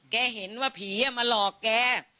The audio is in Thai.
เห็นว่าผีมาหลอกแก